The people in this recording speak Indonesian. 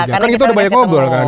kan kita sudah banyak ngobrol kan